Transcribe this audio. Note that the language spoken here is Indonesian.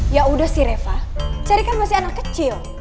ya udah sih reva cherry kan masih anak kecil